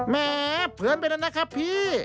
แหมเผือนไปเลยนะครับพี่